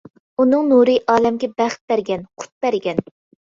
ئۇنىڭ نۇرى ئالەمگە، بەخت بەرگەن، قۇت بەرگەن.